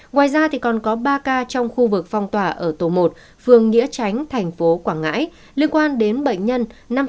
ngoài ra còn có ba ca trong khu vực phong tỏa ở tổ một phường nghĩa tránh tp quảng ngãi liên quan đến bệnh nhân năm trăm một mươi sáu bảy trăm tám mươi bảy